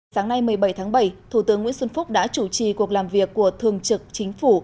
sáng nay một mươi bảy tháng bảy thủ tướng nguyễn xuân phúc đã chủ trì cuộc làm việc của thường trực chính phủ